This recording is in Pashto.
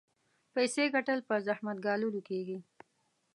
پيسې ګټل په زحمت ګاللو کېږي.